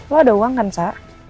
lo ada uang kan sa